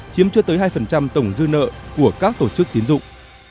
chiếm chưa tới hai tổng dư nợ của các tổ chức tiến dụng